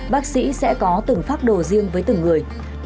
bác sĩ sẽ có từng phác đồ riêng với từng người